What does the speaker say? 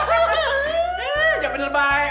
eh jawabannya baik